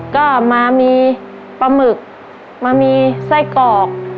ก็มามีปลาหมึกมามีไส้กรอก